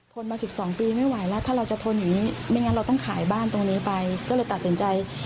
ทนมา๑๒ปีไม่ไหวแล้วถ้าเราจะทนอย่างนี้ไม่งั้นเราต้องขายบ้านตรงนี้ไปก็เลยตัดสินใจ